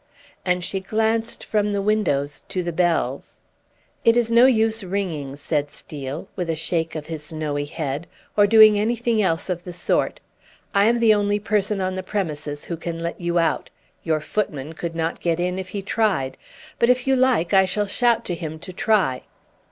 And she glanced from the windows to the bells. "It is no use ringing," said Steel, with a shake of his snowy head, "or doing anything else of the sort. I am the only person on the premises who can let you out; your footman could not get in if he tried; but if you like I shall shout to him to try.